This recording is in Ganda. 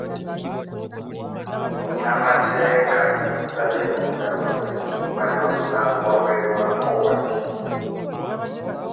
Munnamateeka yasabye omulamuzi okumalira omusango wabweru wa kkooti.